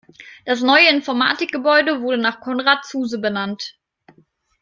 Das neue Informatikgebäude wurde nach Konrad Zuse benannt.